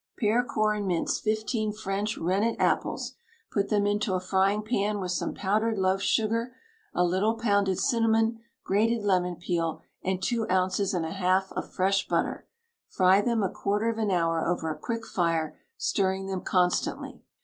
Pare, core, and mince fifteen French rennet apples; put them into a frying pan with some powdered loaf sugar, a little pounded cinnamon, grated lemon peel, and two ounces and a half of fresh butter; fry them a quarter of an hour over a quick fire, stirring them constantly.